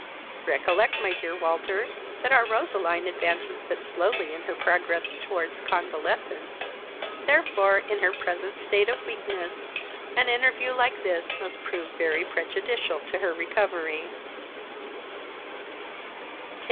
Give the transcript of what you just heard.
Recollect, my dear Walter, that our Roseline advances but slowly in her progress towards convalesence; therefore, in her present state of weakness, an interview like this must prove very prejudicial to her recovery."